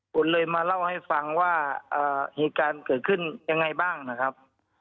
คนเลยมาเล่าให้ฟังว่าเหตุการณ์เกิดขึ้นยังไงบ้างนะครับ